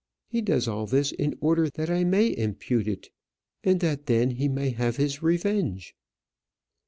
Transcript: He does all this in order that I may impute it, and that then he may have his revenge."